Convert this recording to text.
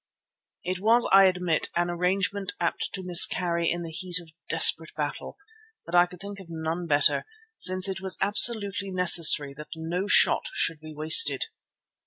It was, I admit, an arrangement apt to miscarry in the heat of desperate battle, but I could think of none better, since it was absolutely necessary that no shot should be wasted.